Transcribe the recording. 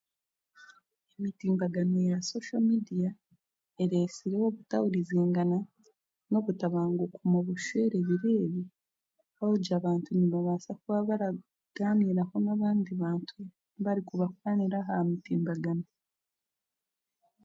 Emitimbagano ya soso mediya ereesire obutahurizingana, n'obutambanguko mu bushwere ebiro ebi ahabwokugira abantu barabaasa kuba baragaaniraho n'abandi bantu, barikubakwanira aha mitimbagano.